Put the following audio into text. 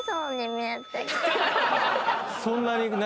そんなに何？